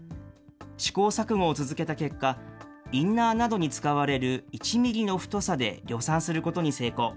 試行錯誤を続けた結果、インナーなどに使われる１ミリの太さで量産することに成功。